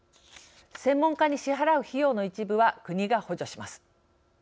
専門家に支払う費用の一部は国が補助します。